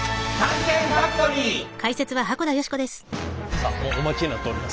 さあもうお待ちになっております。